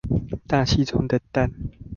大氣中的氮